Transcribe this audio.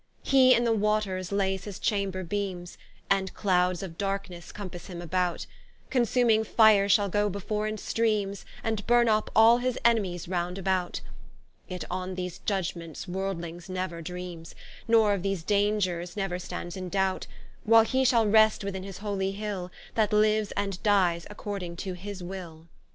He in the waters laies his chamber beames, And cloudes of darkenesse compasse him about, Consuming fire shall goe before in streames, And burne vp all his en'mies round about: Yet on these Iudgements[ w]orldlings never dreames, Nor of these daungers never stand in doubt: While he shall rest within his holy Hill, That lives and dies according to his Will.